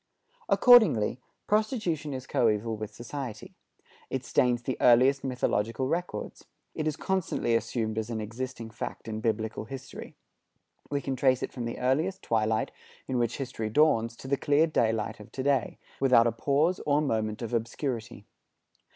Accordingly, prostitution is coeval with society. It stains the earliest mythological records. It is constantly assumed as an existing fact in Biblical history. We can trace it from the earliest twilight in which history dawns to the clear daylight of to day, without a pause or a moment of obscurity.